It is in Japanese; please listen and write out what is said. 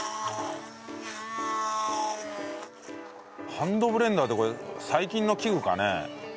ハンドブレンダーってこれ最近の器具かね？